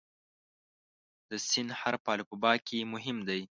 د "س" حرف په الفبا کې مهم دی.